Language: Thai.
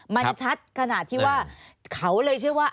มันชัดขนาดที่ว่าเขาเลยเชื่อว่า